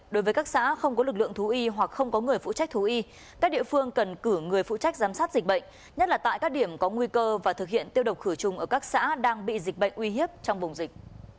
đối với các xã không có lực lượng thú y hoặc không có người phụ trách thú y các địa phương cần cử người phụ trách giám sát dịch bệnh nhất là tại các điểm có nguy cơ và thực hiện tiêu độc khử trùng ở các xã đang bị dịch bệnh uy hiếp trong vùng dịch